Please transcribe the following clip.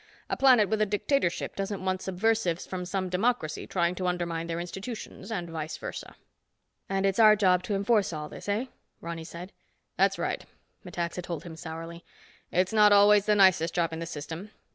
A planet with a dictatorship doesn't want subversives from some democracy trying to undermine their institutions—and vice versa." "And its our job to enforce all this, eh?" Ronny said. "That's right," Metaxa told him sourly. "It's not always the nicest job in the system.